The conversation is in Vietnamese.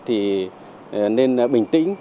thì nên bình tĩnh